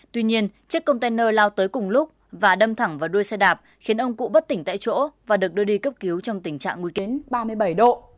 tuy nhiên chiếc container lao tới cùng lúc và đâm thẳng vào đuôi xe đạp khiến ông cụ bất tỉnh tại chỗ và được đưa đi cấp cứu trong tình trạng nguôi kén ba mươi bảy độ